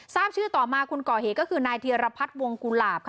ทราบชื่อต่อมาคนก่อเหตุก็คือนายธีรพัฒน์วงกุหลาบค่ะ